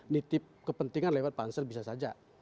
nitip kepentingan lewat pansel bisa saja